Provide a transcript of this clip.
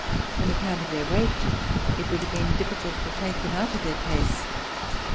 On account of their weight, it would have been difficult to take them out of their case.